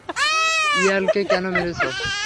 ইয়ালকে কেন মেরেছ?